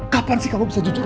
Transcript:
kapan sih kamu bisa jujur